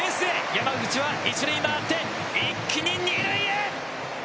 山口は一塁回って一気に二塁へ。